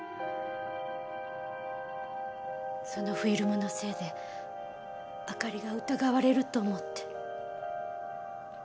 そのフィルムのせいで朱莉が疑われると思って。